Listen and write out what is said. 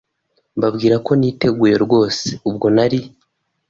mbabwira ko niteguye rwose ubwo nari